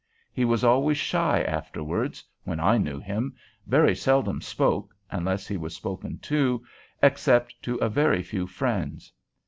He was always shy afterwards, when I knew him, very seldom spoke, unless he was spoken to, except to a very few friends.